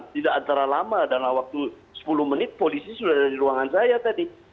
tidak antara lama dalam waktu sepuluh menit polisi sudah ada di ruangan saya tadi